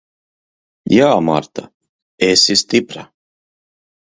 Jā, Marta. Esi stipra.